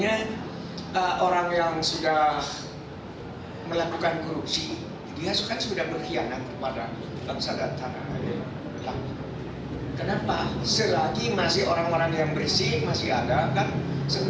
jadi orang yang bersih yang harus dihukum masih ada kan sebenarnya orang yang bersih yang harus dihukum